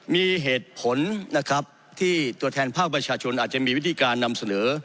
มีเหตุผลนะครับที่ตัวแทนภาคประชาชนอาจจะมีวิธีการนำเสนอ